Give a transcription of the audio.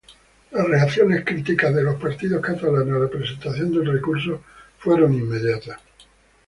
Las reacciones críticas de los partidos catalanes a la presentación del recurso fueron inmediatas.